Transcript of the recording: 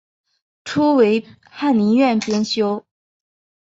初为翰林院编修。